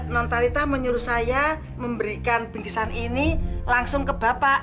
nontalita menyuruh saya memberikan bingkisan ini langsung ke bapak